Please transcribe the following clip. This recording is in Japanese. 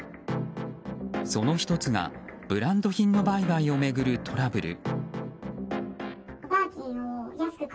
その１つが、ブランド品の売買を巡るトラブル。